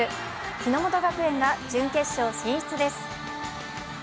日ノ本学園が準決勝進出です。